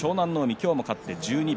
今日も勝って１２番。